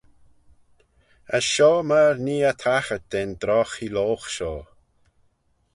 As shoh myr nee eh taghyrt da'n drogh heeloghe shoh.